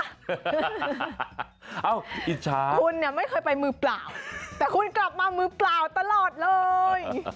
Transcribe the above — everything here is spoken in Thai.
คุณไม่เคยไปมือเปล่าแต่คุณกลับมามือเปล่าตลอดเลย